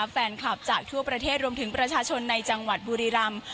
แฟนคลับจากทั่วประเทศรวมถึงประชาชนในจังหวัดบุรีรำ